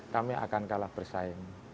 kami akan kalah bersaing